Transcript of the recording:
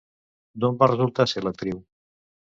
D'on va resultar ser l'actriu?